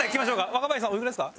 若林さんおいくらですか？